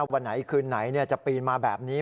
วันไหนคืนไหนจะปีนมาแบบนี้